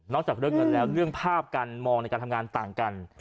จากเรื่องเงินแล้วเรื่องภาพการมองในการทำงานต่างกัน